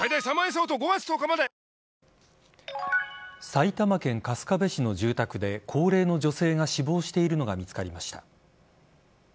埼玉県春日部市の住宅で高齢の女性が死亡しているのが見つかりました。